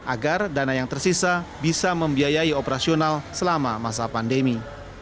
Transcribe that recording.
agar dana yang tersisa bisa membiayai operasional selama masa pandemi